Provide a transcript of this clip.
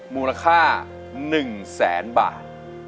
มูลค่า๑แสนบาท